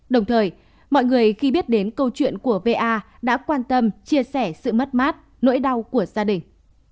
đồng thời mọi người khi biết đến câu chuyện của va đã quan tâm chia sẻ sự mất mát nỗi đau của gia đình